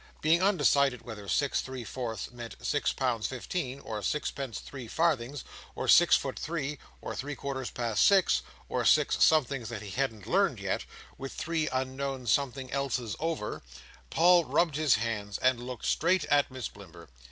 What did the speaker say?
Being undecided whether six three fourths meant six pounds fifteen, or sixpence three farthings, or six foot three, or three quarters past six, or six somethings that he hadn't learnt yet, with three unknown something elses over, Paul rubbed his hands and looked straight at Miss Blimber.